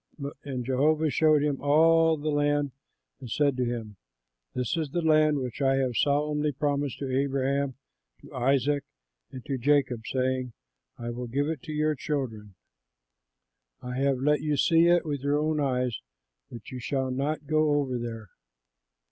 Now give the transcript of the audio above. And Jehovah showed him all the land, and said to him, "This is the land which I have solemnly promised to Abraham, to Isaac, and to Jacob, saying, 'I will give it to your children.' I have let you see it with your own eyes, but you shall not go over there."